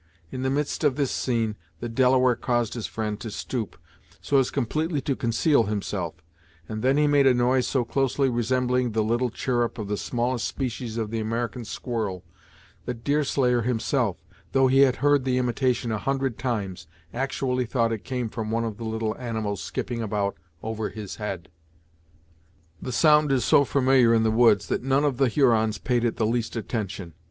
In the midst of this scene, the Delaware caused his friend to stoop, so as completely to conceal himself, and then he made a noise so closely resembling the little chirrup of the smallest species of the American squirrel, that Deerslayer himself, though he had heard the imitation a hundred times, actually thought it came from one of the little animals skipping about over his head. The sound is so familiar in the woods, that none of the Hurons paid it the least attention.